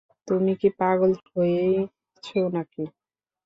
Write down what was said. তুমি কি পাগল হয়েছ নাকি।